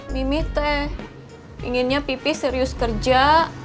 mimite inginnya pipi serius kerja